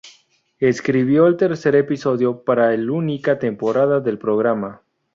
Escribió el tercer episodio para el única temporada del programa.